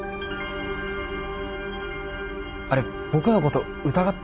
あれ僕のこと疑ってます？